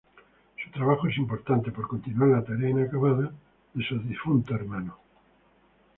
Su trabajo es importante, por continuar la tarea inacabada de su difunto hermano.